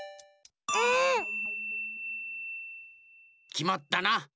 きまったな。